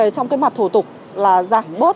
trong mặt thủ tục là giảm bớt